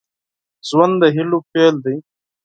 ژوند د هيلو پيل دی